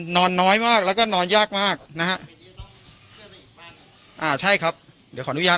นอนน้อยมากแล้วก็นอนยากมากนะฮะอ่าใช่ครับเดี๋ยวขออนุญาต